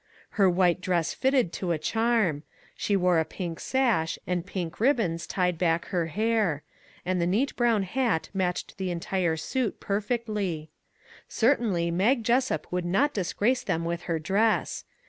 Her white dress fitted to a charm ; she wore a pink sash, and pink ribbons tied back her hair ; and the neat brown hat matched the entire suit perfectly. Certainly Mag Jessup would not disgrace them with her dress.